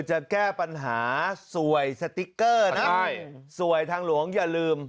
จะแก้ปัญหาสวยสติ๊กเกอร์นะสวยทางหลวงอย่าลืม